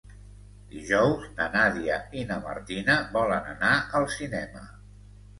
Dijous na Nàdia i na Martina volen anar al cinema.